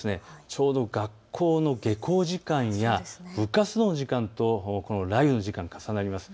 ちょうど学校の下校時間や部活動の時間と雷雨の時間、重なります。